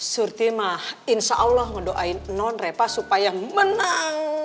surti mah insya allah ngedoain non reva supaya menang